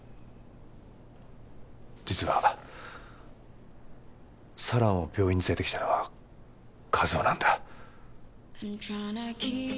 実は四朗を病院に連れてきたのは一男なんだ。